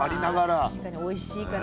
まあ確かにおいしいからね。